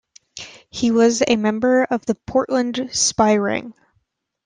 He was a member of the Portland Spy Ring.